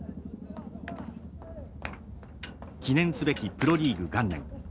記念すべきプロリーグ元年。